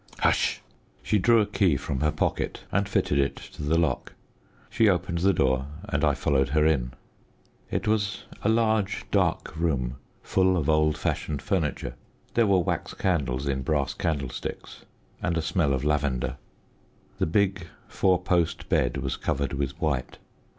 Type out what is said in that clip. Hush!" She drew a key from her pocket and fitted it to the lock. She opened the door and I followed her in. It was a large, dark room, full of old fashioned furniture. There were wax candles in brass candlesticks and a smell of lavender. The big four post bed was covered with white.